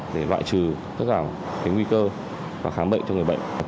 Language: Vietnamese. để loại trừ tất cả nguy cơ và khám bệnh cho người bệnh